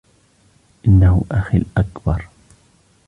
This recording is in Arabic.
إنه أخي الأكبر.